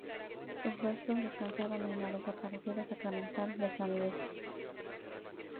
Sus restos descansaban en la desaparecida Sacramental de San Luis.